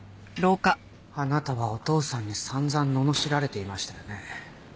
あなたはお父さんに散々ののしられていましたよね。